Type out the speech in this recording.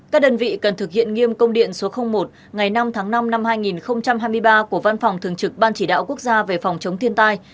các đơn vị cần thực hiện nghiêm công điện số một ngày năm tháng năm năm hai nghìn hai mươi ba của văn phòng thường trực ban chỉ đạo quốc gia về phòng chống thiên tai